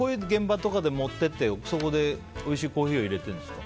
こういうの現場とかに持っていってそこで、おいしいコーヒーをいれてるんですか。